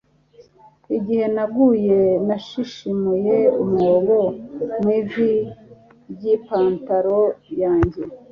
Igihe naguye nashishimuye umwobo mu ivi ry ipantaro yanjye.